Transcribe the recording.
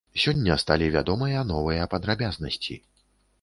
Сёння сталі вядомыя новыя падрабязнасці.